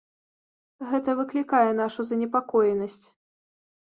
Гэта выклікае нашу занепакоенасць.